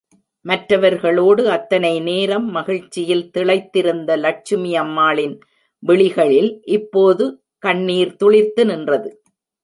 மற்றவர்களோடு அத்தனை நேரம் மகிழ்ச்சியில் திளைத்திருந்த லட்சுமி அம்மாளின் விழிகளில் இப்போது கண்ணீர் துளிர்த்து நின்றது.